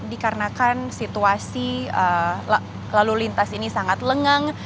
dikarenakan situasi lalu lintas ini sangat lengang